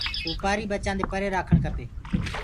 سوپآري ٻچآندي پري رآکڻ کپي۔